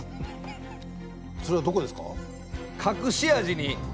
それはどこですか？